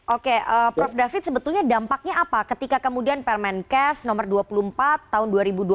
oke prof david sebetulnya dampaknya apa ketika kemudian permenkes nomor dua puluh empat tahun dua ribu dua puluh